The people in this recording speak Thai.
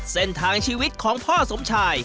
เส้นทางชีวิตของพ่อสมชาย